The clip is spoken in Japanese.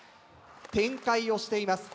展開をしています。